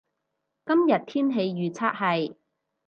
今日天氣預測係